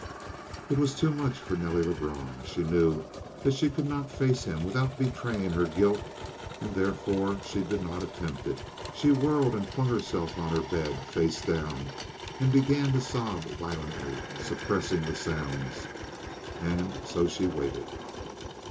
It was too much for Nelly Lebrun. She knew that she could not face him without betraying her guilt and therefore she did not attempt it. She whirled and flung herself on her bed, face down, and began to sob violently, suppressing the sounds. And so she waited.